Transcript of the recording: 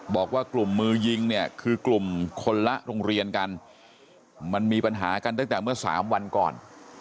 บอกว่ากลุ่มมือยิงเนี่ยคือกลุ่มคนละโรงเรียนกันมันมีปัญหากันตั้งแต่เมื่อสามวันก่อน